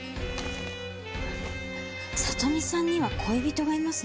里美さんには恋人がいますね。